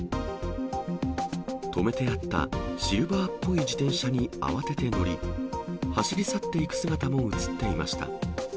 止めてあったシルバーっぽい自転車に慌てて乗り、走り去っていく姿も写っていました。